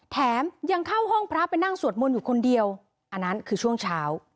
แถมยังเข้าห้องพระไปนั่งสวดมนต์อยู่คนเดียวอันนั้นคือช่วงเช้า